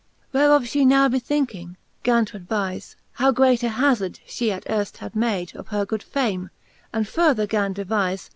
Whereof fhe now bethinking, gail t' advize. How great a hazard fhe at earft had made Of h&r good fame, and further gan devize.